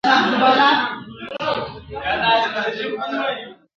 څه در سوي چي مي عطر تر سږمو نه در رسیږي !.